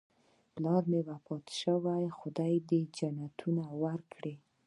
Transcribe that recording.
پلار مې وفات شوی، خدای دې جنتونه ورکړي